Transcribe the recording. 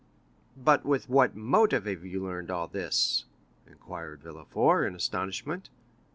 "But with what motive have you learned all this?" inquired Villefort, in astonishment.